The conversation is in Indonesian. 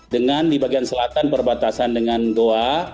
dengan di bagian selatan perbatasan dengan goa